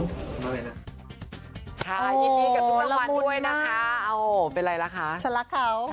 บ๊วยบ๊วยบ๊ายบายนะครับ